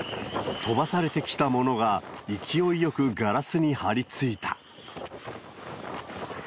飛ばされてきたものが勢いよくガラスに貼り付いた。